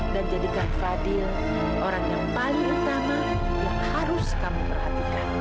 dan jadikan fadil orang yang paling utama yang harus kamu perhatikan